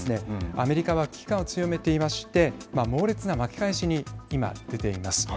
アメリカは危機感を強めていまして猛烈な巻き返しに今出ています。